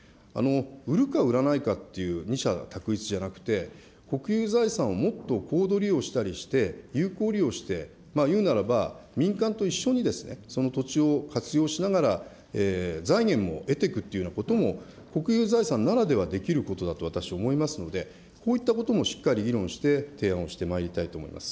売るか売らないかっていう二者択一じゃなくて、国有財産をもっと高度利用したりして、有効利用して、言うならば民間と一緒にその土地を活用しながら財源も得ていくというようなことも国有財産ならではできることだと私、思いますので、こういったこともしっかり議論して提案をしてまいりたいと思います。